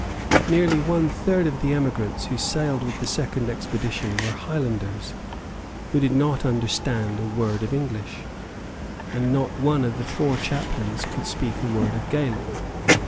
Nearly one third of the emigrants who sailed with the second expedition were Highlanders, who did not understand a word of English; and not one of the four chaplains could speak a word of Gaelic.